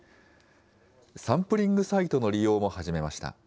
サンプリングサイトの利用も始めました。